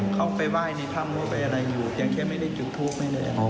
เข้าไปไหว้ในถ้ำหรืออะไรอยู่อย่างแค่ไม่ได้จุดทุกข์ไหมเลยครับ